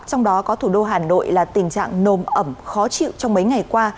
trong đó có thủ đô hà nội là tình trạng nồm ẩm khó chịu trong mấy ngày qua